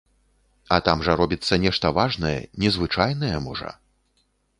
А там жа робіцца нешта важнае, незвычайнае, можа.